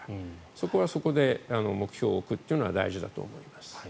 そこはそこで目標を置くのは大事だと思います。